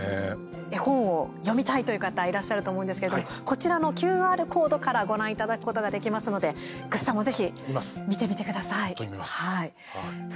絵本を読みたいという方いらっしゃると思うんですけどこちらのＱＲコードからご覧いただくことができますのでぐっさんもぜひ見てみてください。